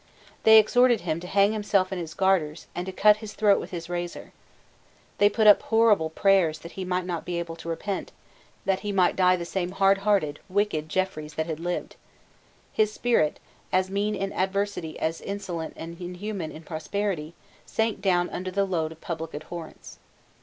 They exhorted him to hang himself in his garters, and to cut his throat with his razor. They put up horrible prayers that he might not be able to repent, that he might die the same hardhearted, wicked Jeffreys that he had lived, His spirit, as mean in adversity as insolent and inhuman in prosperity, sank down under the load of public abhorrence.